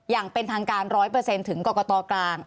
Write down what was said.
อย่างเป็นทางการ๑๐๐ถึงกรกตกลาง